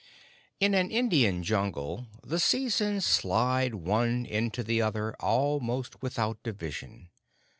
In an Indian Jungle the seasons slide one into the other almost without division.